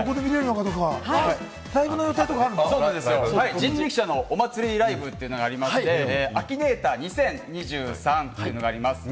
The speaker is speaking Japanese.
人力舎のお祭りライブというのがありまして、秋ネーター２０２３というのがあります。